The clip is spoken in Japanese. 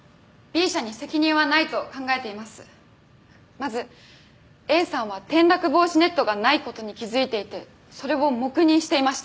まずＡさんは転落防止ネットがないことに気付いていてそれを黙認していました。